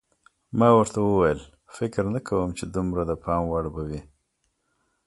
ما ورته وویل: فکر نه کوم چې دومره د پام وړ به وي.